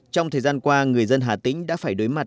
trong thời gian qua người dân hà tĩnh đã phải đối mặt